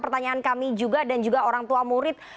pertanyaan kami juga dan juga orang tua murid